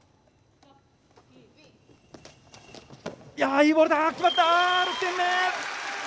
いいボール、決まった、６点目。